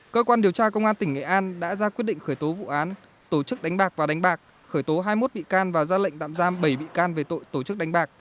cơ quan điều tra công an tỉnh nghệ an đã ra quyết định khởi tố vụ án tổ chức đánh bạc và đánh bạc khởi tố hai mươi một bị can và ra lệnh tạm giam bảy bị can về tội tổ chức đánh bạc